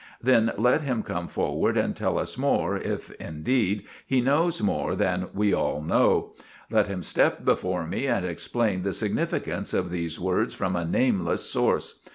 Then let him come forward and tell us more, if, indeed, he knows more than we all know. Let him step before me and explain the significance of these words from a nameless source.